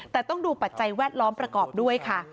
แต่ต้องดูปัจจัยแวดล้อมประกอบด้วยค่ะ